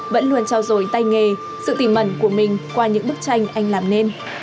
vẫn luôn trao dồi tay nghề sự tìm mẩn của mình qua những bức tranh anh làm nên